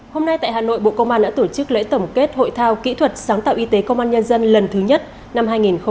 hôm nay tại hà nội bộ công an đã tổ chức lễ tổng kết hội thao kỹ thuật sáng tạo y tế công an nhân dân lần thứ nhất năm hai nghìn hai mươi